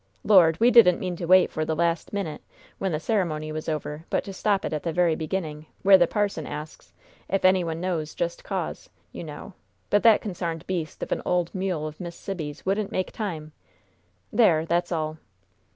"Lord, we didn't mean to wait for the last minnit, when the ceremony was over, but to stop it at the very beginning, where the parson asks, 'if any one knows just cause,' you know. But that consarned beast of an old mule of Miss Sibby's wouldn't make time. There, that's all!"